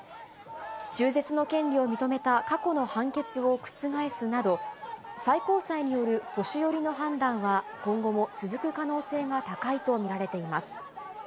中絶の権利を認めた過去の判決を覆すなど、最高裁による保守寄りの判断は今後も続く可能性が高いと見られています。